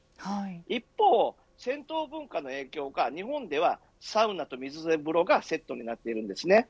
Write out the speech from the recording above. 一方、銭湯文化の影響か日本ではサウナと水風呂がセットになっているんですね。